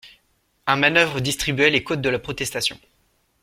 Un manœuvre distribuait les cotes de la protestation.